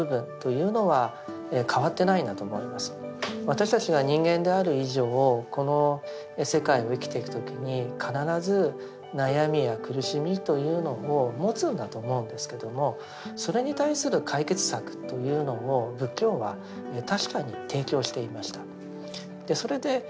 私たちが人間である以上この世界を生きていく時に必ず悩みや苦しみというのを持つんだと思うんですけどもそれに対する解決策というのを仏教は確かに提供していました。